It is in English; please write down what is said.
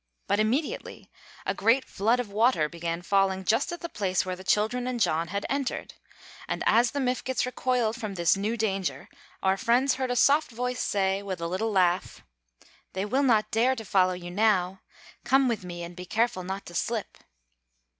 But immediately a great flood of water began falling just at the place where the children and John had entered, and as the Mifkets recoiled from this new danger our friends heard a soft voice say, with a little laugh: "They will not dare to follow you now. Come with me, and be careful not to slip."